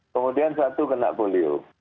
kemudian satu kena polio